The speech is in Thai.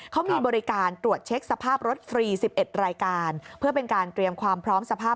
เขามีบริการตรวจเช็คสภาพรถฟรี๑๑รายการ